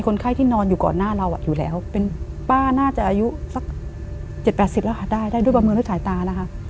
น่าจะอายุ๗๘๐แล้วค่ะได้ด้วยบำมือและสายตานะคะ